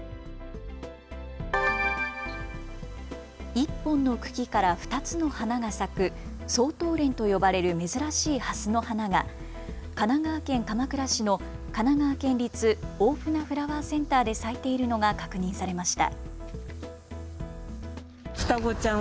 １本の茎から２つの花が咲く双頭蓮と呼ばれる珍しいハスの花が神奈川県鎌倉市の神奈川県立大船フラワーセンターで咲いているのが確認されました。